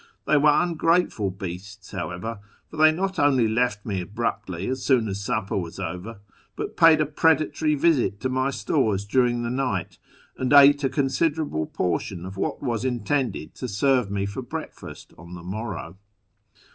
They were ungrateful beasts, however, for they not only left me abruptly as soon as supper was over, but paid a predatory visit to my stores during the night, and ate a considerable portion of what was intended to serve me for breakfast on the morrow.